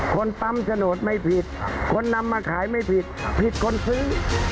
คนปั๊มโฉนดไม่ผิดคนนำมาขายไม่ผิดผิดคนซื้อ